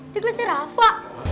di kelasnya rafa